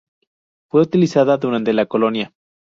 Fue utilizada durante la colonia.